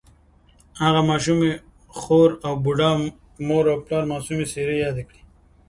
هغه د ماشومې خور او بوډا مور او پلار معصومې څېرې یادې کړې